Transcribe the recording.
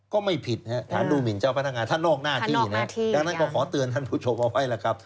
ก็ไม่ผิดนะฮะฐานดูหมินเจ้าพนักงานท่านนอกหน้าที่นะดังนั้นก็ขอเตือนท่านผู้ชมเอาไว้ล่ะครับ